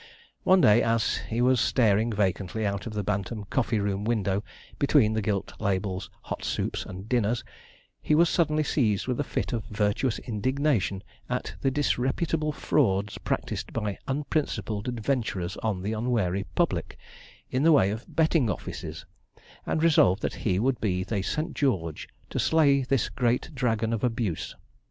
One day as he was staring vacantly out of the Bantam coffee room window, between the gilt labels, 'Hot Soups' and 'Dinners,' he was suddenly seized with a fit of virtuous indignation at the disreputable frauds practised by unprincipled adventurers on the unwary public, in the way of betting offices, and resolved that he would be the St. George to slay this great dragon of abuse.